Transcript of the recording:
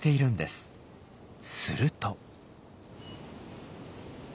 すると。